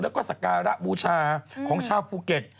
แล้วก็สการะบูชาของชาวภูเก็ต